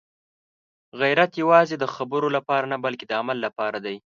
غیرت یوازې د خبرو لپاره نه، بلکې د عمل لپاره دی.